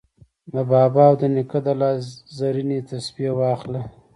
د بابا او د نیکه د لاس زرینې تسپې واخله